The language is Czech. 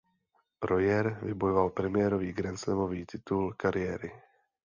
Rojer vybojoval premiérový grandslamový titul kariéry.